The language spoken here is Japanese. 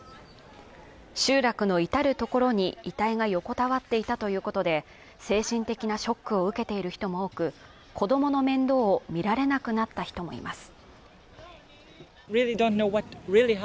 集落の至る所に遺体が横たわっていたということで精神的なショックを受けている人も多く子どもの面倒を見られなくなった人もいます